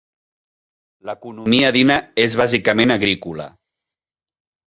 L'economia d'Ina és bàsicament agrícola.